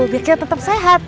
biar dia tetap sehat